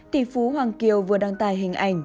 tỷ phú hoàng kiều vừa đăng tài hình ảnh